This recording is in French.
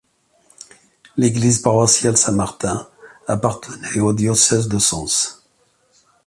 L'église paroissiale Saint Martin appartenait au diocèse de Sens.